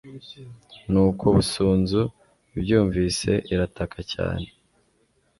nuko busunzu ibyumvise irataka cyane